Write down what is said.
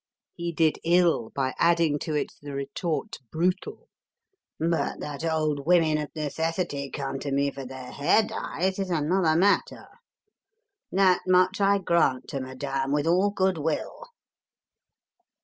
He did ill by adding to it the retort brutal: "But that old women of necessity come to me for their hair dyes is another matter. That much I grant to Madame with all good will."